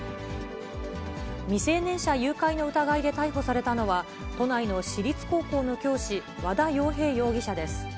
未成年者誘拐の疑いで逮捕されたのは、都内の私立高校の教師、和田洋平容疑者です。